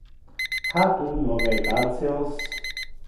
Ha tu nove calceos?